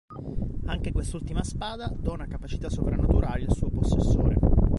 Anche quest'ultima spada dona capacità sovrannaturali al suo possessore.